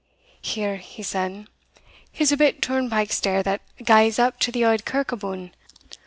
"Here," he said, "is a bit turnpike stair that gaes up to the auld kirk abune.